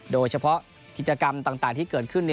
โดยเฉพาะกิจกรรมต่างที่เกิดขึ้น